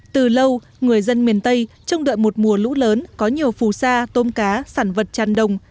từ lâu người dân miền tây trong đợi một mùa lũ lớn có nhiều phù sa tôm cá sản vật tràn đồng